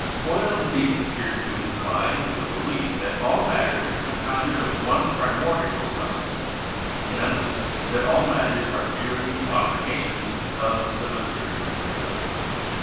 Boyle indeed appeared to incline to the belief that all matter is compounded of one primordial substance — in other words, that all mat ters are merely modifications of the 'materia prima.'